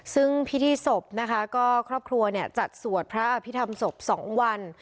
ซึ่งพิธีศพนะคะก็ครอบครัวเนี่ยจัดสวดพระอภิษฐรรมศพ๒วัน